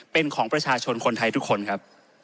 เป็นของประชาชนคนไทยทุกคนครับ